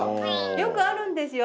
よくあるんですよ。